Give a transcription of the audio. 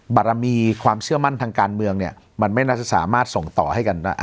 บารมีความเชื่อมั่นทางการเมืองเนี่ยมันไม่น่าจะสามารถส่งต่อให้กันได้